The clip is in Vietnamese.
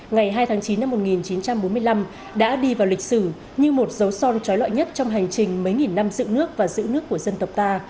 ngày hai tháng chín năm một nghìn chín trăm bốn mươi năm đã đi vào lịch sử như một dấu son trói loại nhất trong hành trình mấy nghìn năm dựng nước và giữ nước của dân tộc ta